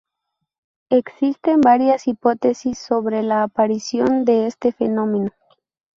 Existen varias hipótesis sobre la aparición de este fenómeno.